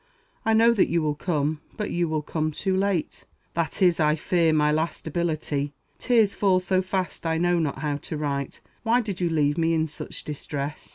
I know that you will come; but you will come too late. This is, I fear, my last ability. Tears fall so fast I know not how to write. Why did you leave me in such distress?